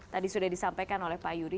tadi sudah disampaikan oleh pak yuri